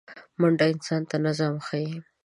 منډه انسان ته نظم ښيي